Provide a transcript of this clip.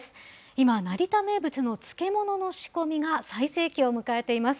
今、成田名物の漬物の仕込みが最盛期を迎えています。